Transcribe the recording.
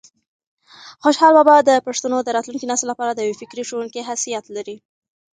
خوشحال بابا د پښتنو د راتلونکي نسل لپاره د یو فکري ښوونکي حیثیت لري.